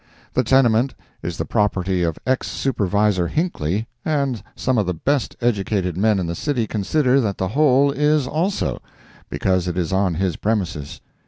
The tenement is the property of ex Supervisor Hinckley, and some of the best educated men in the city consider that the hole is also, because it is on his premises.